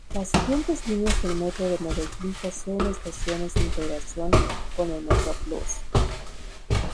Las siguientes líneas del Metro de Medellín poseen estaciones de integración con el Metroplús.